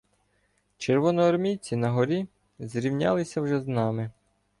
Червоноармійці на горі зрівнялися вже з нами.